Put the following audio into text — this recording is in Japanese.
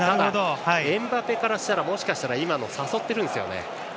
エムバペからしたらもしかしたら今のは誘ってたんですよね。